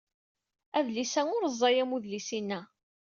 Adlis-a ur ẓẓay am wedlis-inna.